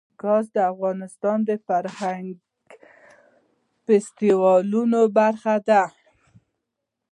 ګاز د افغانستان د فرهنګي فستیوالونو برخه ده.